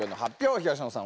東野さん